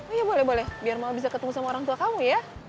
oh iya boleh boleh biar mau bisa ketemu sama orang tua kamu ya